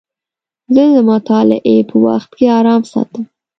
زه د مطالعې په وخت کې ارام ساتم.